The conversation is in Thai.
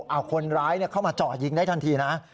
เอาคนร้ายเข้ามาเจาะยิงได้ทันทีนะ